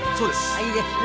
いいですね。